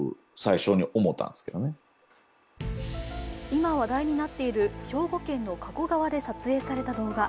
今、話題になっている兵庫県の加古川で撮影された動画。